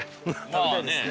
食べたいですね